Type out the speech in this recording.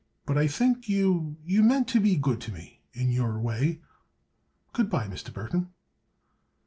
But I think you—you meant to be good to me—in your way. Good bye, Mr. Burthon."